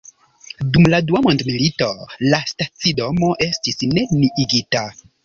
Dum la dua mondmilito la stacidomo estis neniigita.